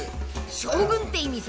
将軍って意味さ。